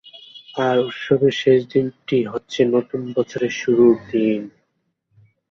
আর উৎসবের শেষ দিনটি হচ্ছে নতুন বছরের শুরুর দিন।